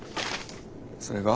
それが？